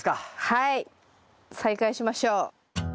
はい再開しましょう。